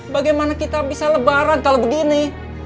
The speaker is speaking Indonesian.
bagaimana kita bisa lebaran kalau begini